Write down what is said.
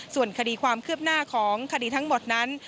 ส่วนคดีความคืบหน้าของคดีทั้งหมดนั้น